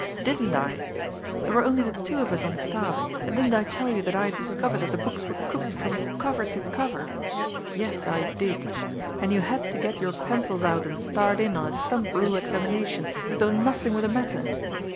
Didn't I? There were only the two of us on the staff, and didn't I tell you that I had discovered that the books were cooked from cover to cover? Yes, I did! And you had to get your pencils out and start in on a thumb rule examination, as though nothing were the matter!